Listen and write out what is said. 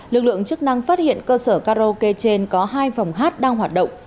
lực lượng chức năng phát hiện cơ sở karaoke trên có hai phòng hát đang hoạt động